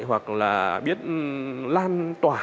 hoặc là biết lan tỏa